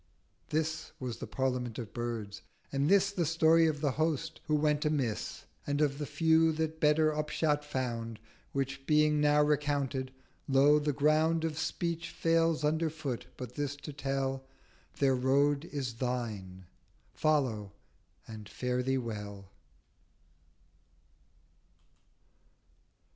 '— This was the Parliament of Birds: and this 1430 The Story of the Host who went amiss, And of the Few that better Upshot found; Which being now recounted, Lo, the Ground Of Speech fails underfoot: But this to tell— Their Road is thine—Follow—and Fare thee well.